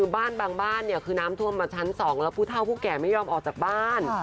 บ้านบางบ้านคือน้ำท่วมมาชั้น๒แล้วผู้เท่าผู้แก่ไม่ยอมออกจากบ้าน